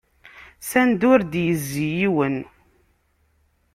S anda ur ad yezzi yiwen.